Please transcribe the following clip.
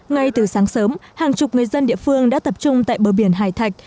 ngay từ sáng sớm hàng chục người dân địa phương đã tập trung tại bờ biển hải thạch